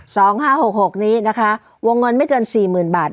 สองห้าหกหกนี้นะคะวงเงินไม่เกินสี่หมื่นบาท